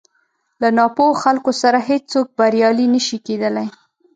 له ناپوهو خلکو سره هېڅ څوک بريالی نه شي کېدلی.